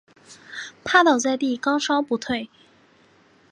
趴倒在地高烧不退